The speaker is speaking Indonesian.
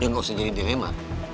dia nggak usah jadi dilema